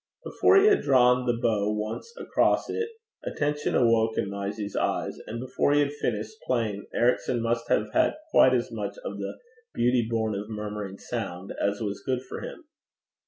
Before he had drawn the bow once across it, attention awoke in Mysie's eyes; and before he had finished playing, Ericson must have had quite as much of the 'beauty born of murmuring sound' as was good for him.